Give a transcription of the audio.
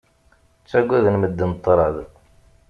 Ttagaden medden ṭṭṛad.